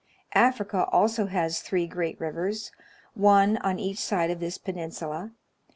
Africa also has three great rivers, — one on each side of this peninsula.